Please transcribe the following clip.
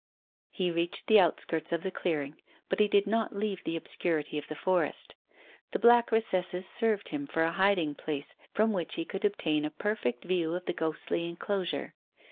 He reached the outskirts of the clearing, but he did not leave the obscurity of the forest. The black recesses served him for a hiding place from which he could obtain a perfect view of the ghostly enclosure.